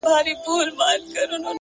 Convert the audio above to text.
د انسان ارزښت په ګټه رسولو اندازه کېږي,